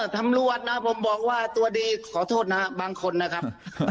ตำรวจนะผมบอกว่าตัวดีขอโทษนะครับบางคนนะครับ